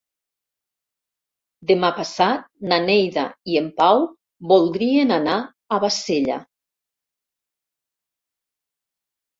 Demà passat na Neida i en Pau voldrien anar a Bassella.